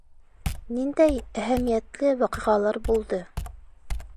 Ниндәй әһәмиәтле ваҡиғалар булды?